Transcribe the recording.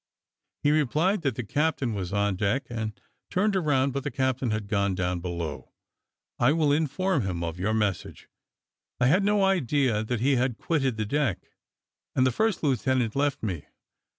He replied, that the captain was on deck, and turned round, but the captain had gone down below. "I will inform him of your message I had no idea that he had quitted the deck;" and the first lieutenant left me.